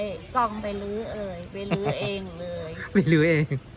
กล้องไปลื้อเอ่ยไปลื้อเองเลยไปลื้อเอง